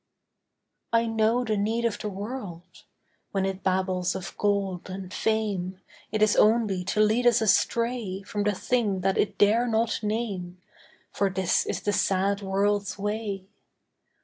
I know the need of the world. When it babbles of gold and fame, It is only to lead us astray From the thing that it dare not name, For this is the sad world's way.